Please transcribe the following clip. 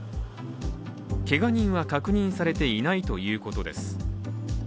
けが人は確認されていないということです。